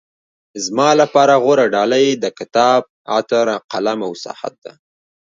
زما لپاره غوره ډالۍ د کتاب، عطر، قلم او ساعت ده.